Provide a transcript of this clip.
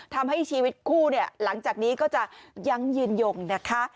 ทำให้ชีวิตคู่เนี่ยหลังจากนี้ก็จะยั้งยืนยงนะคะ